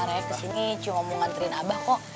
rek kesini cuma mau ngantriin abah kok